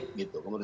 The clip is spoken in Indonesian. gitu menurut saya